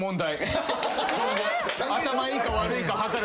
頭いいか悪いか測る